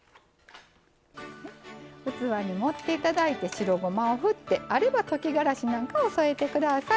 器に盛っていただいて白ごまを振って、あれば溶きがらしなんかを添えてください。